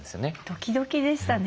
ドキドキでしたね。